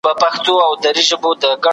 ښه ذهنیت بریالیتوب نه کموي.